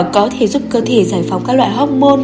có thể giúp cơ thể giải phóng các loại hóc môn